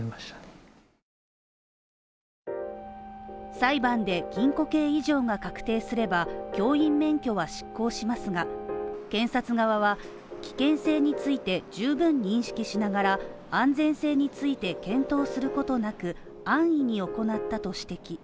裁判で禁固刑以上が確定すれば教員免許は失効しますが、検察側は危険性について十分認識しながら安全性について検討することなく、安易に行ったと指摘。